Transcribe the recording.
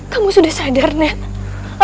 kamu sudah sadar nel